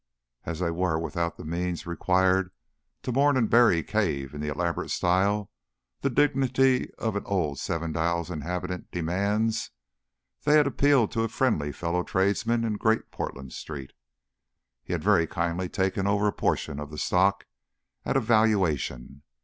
As they were without the means required to mourn and bury Cave in the elaborate style the dignity of an old Seven Dials inhabitant demands, they had appealed to a friendly fellow tradesman in Great Portland Street. He had very kindly taken over a portion of the stock at a valuation.